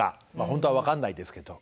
本当は分かんないですけど。